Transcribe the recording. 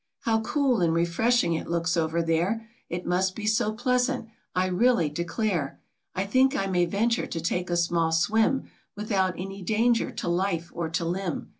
" How cool and refreshing it looks over there ; It must he so pleasant; I really declare, I think I may venture to take a small swim, Without any danger to life or to limb.